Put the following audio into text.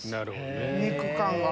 肉感が。